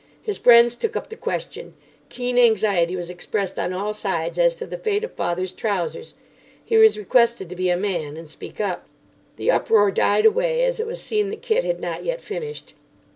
His friends took up the question. Keen anxiety was expressed on all sides as to the fate of father's trousers. He was requested to be a man and speak up. The uproar died away as it was seen that Kit had not yet finished.